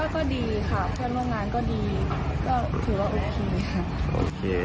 ก็ดีค่ะเพื่อนร่วมงานก็ดีก็ถือว่าโอเคค่ะ